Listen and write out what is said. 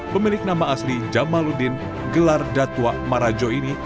pemilik nama asli jamaludin gelar datwa marajo ini